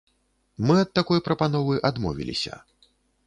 Мы ад такой прапановы адмовіліся.